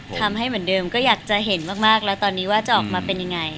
ทำให้เหมือนเดิมก็อยากจะเห็นมากแล้วตอนนี้ว่าจะออกมาเป็นยังไง